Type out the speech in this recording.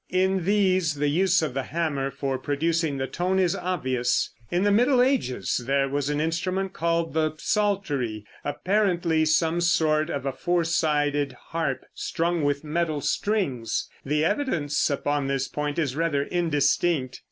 In these the use of the hammer for producing the tone is obvious. In the Middle Ages there was an instrument called the psaltery, apparently some sort of a four sided harp strung with metal strings. The evidence upon this point is rather indistinct.